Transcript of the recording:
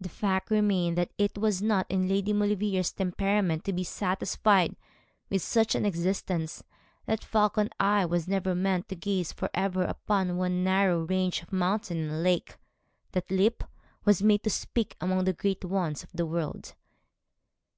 The fact remained that it was not in Lady Maulevrier's temperament to be satisfied with such an existence; that falcon eye was never meant to gaze for ever upon one narrow range of mountain and lake; that lip was made to speak among the great ones of the world.